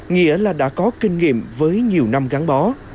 nghĩa là đã có kinh nghiệm với nhiều năm gắn bó